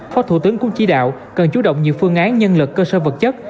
phó thủ tướng cũng chỉ đạo cần chú động nhiều phương án nhân lực cơ sở vật chất